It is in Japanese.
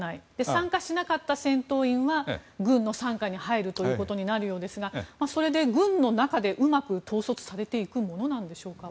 参加しなかった戦闘員は軍の傘下に入るということになるようですがそれで軍の中でうまく統率されていくものなんでしょうか。